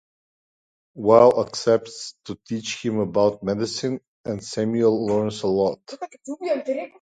Wal accepts to teach him about medicine, and Samuel learns a lot.